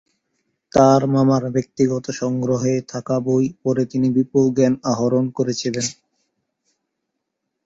তার মামার ব্যক্তিগত সংগ্রহে থাকা বই পড়ে তিনি বিপুল জ্ঞান আহরণ করেছিলেন।